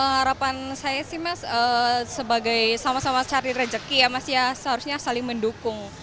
harapan saya sih mas sebagai sama sama cari rezeki ya mas ya seharusnya saling mendukung